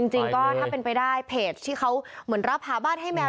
จริงก็ถ้าเป็นไปได้เพจที่เขาเหมือนรับหาบ้านให้แมว